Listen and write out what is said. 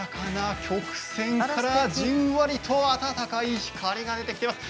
じんわりと温かい光が出てきています。